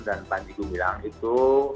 dan panji gumilang itu